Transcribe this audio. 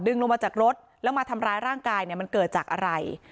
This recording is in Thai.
ลงมาจากรถแล้วมาทำร้ายร่างกายเนี่ยมันเกิดจากอะไร